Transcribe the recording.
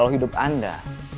kalau hidup anda